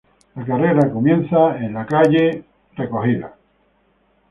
La carrera comienza en St.